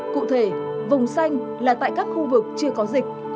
cụ thể vùng xanh là tại các khu vực chưa có dịch